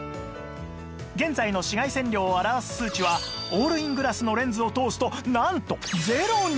現在の紫外線量を表す数値はオールイングラスのレンズを通すとなんとゼロに！